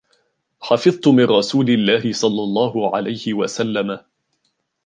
حَفِظْتُ مِنْ رسولِ اللهِ صَلَّى اللهُ عَلَيْهِ وَسَلَّمَ: